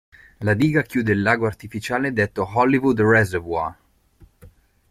La diga chiude il lago artificiale detto Hollywood Reservoir.